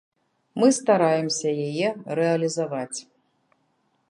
Мы стараемся яе рэалізаваць.